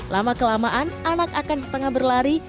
lama kelamaan anak akan setengah berlari